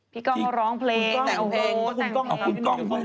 พี่กองก็ร้องเพลงแต่งเพลง